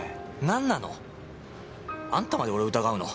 何なの？あんたまで俺を疑うの？